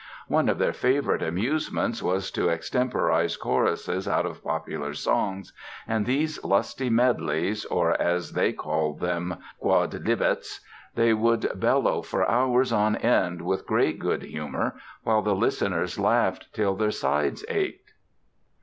One of their favorite amusements was to extemporize choruses out of popular songs and these lusty medleys (or, as they called them, "quodlibets") they would bellow for hours on end with great good humor, while the listeners laughed till their sides ached.